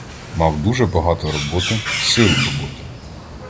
Мав дуже багато роботи, силу роботи.